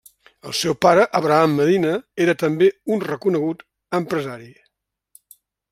El seu pare, Abraham Medina era també un reconegut empresari.